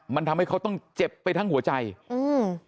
มันทำให้เขาต้องเจ็บไปทั้งหัวใจอืม